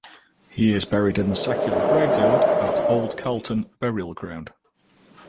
He is buried in the secular graveyard at Old Calton Burial Ground.